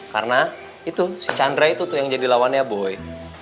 karena itu si chandra itu tuh yang jadi lawannya boy